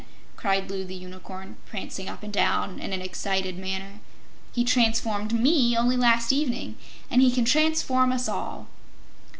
cried Loo the Unicorn, prancing up and down in an excited manner. "He transformed ME, only last evening, and he can transform us all."